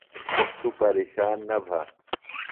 توۡ پیرشان نہ بھہ۔